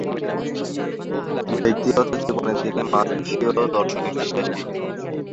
ব্যক্তিগত জীবনে তিনি মার্কসীয় দর্শনে বিশ্বাসী।